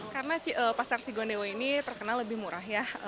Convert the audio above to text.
karena pasar cigondeo ini terkenal lebih murah ya